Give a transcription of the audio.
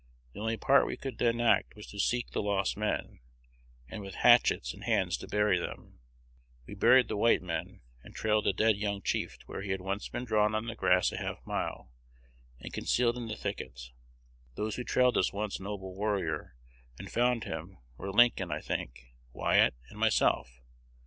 The only part we could then act was to seek the lost men, and with hatchets and hands to bury them. We buried the white men, and trailed the dead young chief where he had been drawn on the grass a half mile, and concealed in the thicket. Those who trailed this once noble warrior, and found him, were Lincoln, I think, Wyatt, and myself.